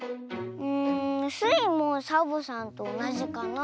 うんスイもサボさんとおなじかな。